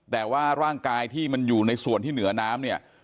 แต่ว่าร่างกายที่มันอยู่ในส่วนที่เหนือน้ำเนี่ย